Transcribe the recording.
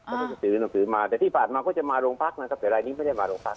แล้วก็จะซื้อหนังสือมาแต่ที่ผ่านมาก็จะมาโรงพักนะครับแต่รายนี้ไม่ได้มาโรงพัก